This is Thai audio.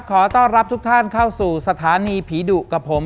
ขอต้อนรับทุกท่านเข้าสู่สถานีผีดุกับผม